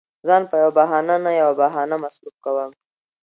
ځان په يوه بهانه نه يوه بهانه مصروف کوم.